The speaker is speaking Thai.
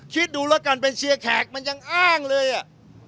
คิดดูแล้วกันเป็นเชียร์แขกมันยังอ้างเลยอ่ะ